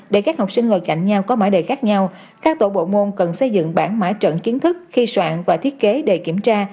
để các học sinh ngồi cạnh nhau có mã đề khác nhau các tổ bộ môn cần xây dựng bản mã trận kiến thức khi soạn và thiết kế để kiểm tra